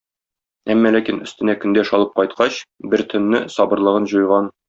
Әмма ләкин өстенә көндәш алып кайткач, бер төнне сабырлыгын җуйган.